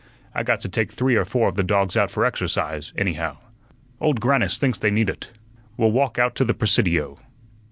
I got to take three or four of the dogs out for exercise, anyhow. Old Grannis thinks they need ut. We'll walk out to the Presidio."